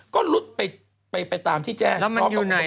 ก็รุดไปตามที่แจ้ง